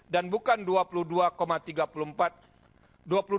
menghasilkan jumlah dua puluh tiga dua juta pemilih